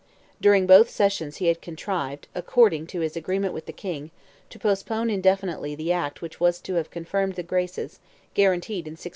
During both sessions he had contrived, according to his agreement with the King, to postpone indefinitely the act which was to have confirmed "the graces," guaranteed in 1628.